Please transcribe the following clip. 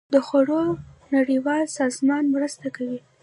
د خوړو نړیوال سازمان مرسته کوي.